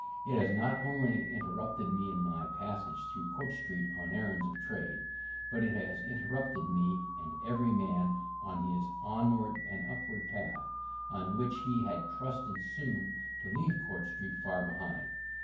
It has not only interrupted me in my passage through Court Street on errands of trade, but it has interrupted me and every man on his onward and upward path, on which he had trusted soon to leave Court Street far behind.